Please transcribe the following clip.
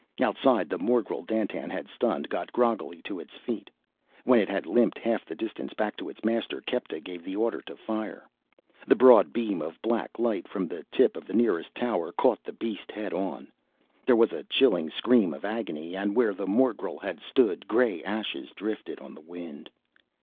Outside, the morgel Dandtan had stunned got groggily to its feet. When it had limped half the distance back to its master, Kepta gave the order to fire. The broad beam of black light from the tip of the nearest tower caught the beast head on. There was a chilling scream of agony, and where the morgel had stood gray ashes drifted on the wind.